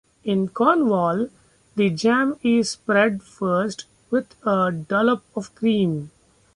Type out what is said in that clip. In Cornwall the jam is spread first with a dollop of cream.